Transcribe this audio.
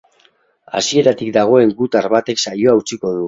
Hasieratik dagoen gutar batek saioa utziko du.